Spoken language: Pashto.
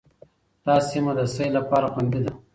دا سیمه د سیل لپاره خوندي ده.